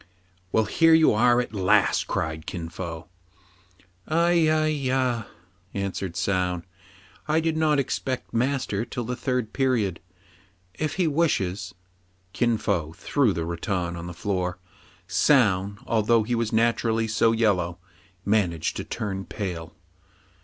"Well, here you are at last !'' cried Kin Fo. ^^ Aiy aiyj/a!'' answered Soun. "I did not ex pect master till the third period. If he wishes '*— Kin Fo threw the rattan on the floor. Soun, al though he was naturally so yellow, managed to turn pale.